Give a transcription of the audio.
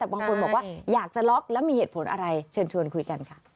แต่บางคนบอกว่าอยากจะล็อกแล้วมีเหตุผลอะไรเชิญชวนคุยกันค่ะ